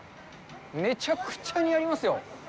めちゃくちゃにありますよ！